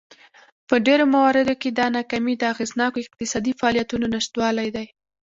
په ډېرو مواردو کې دا ناکامي د اغېزناکو اقتصادي فعالیتونو نشتوالی دی.